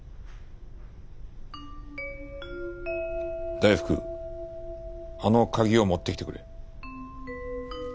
大福あの鍵を持ってきてくれ。